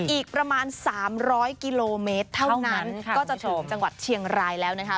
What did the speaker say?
อีกประมาณ๓๐๐กิโลเมตรเท่านั้นก็จะถึงจังหวัดเชียงรายแล้วนะคะ